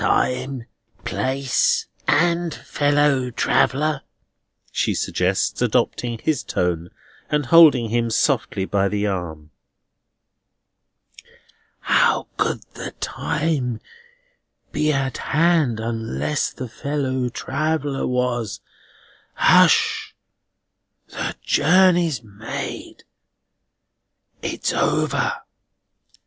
"Time, place, and fellow traveller," she suggests, adopting his tone, and holding him softly by the arm. "How could the time be at hand unless the fellow traveller was? Hush! The journey's made. It's over."